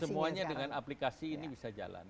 semuanya dengan aplikasi ini bisa jalan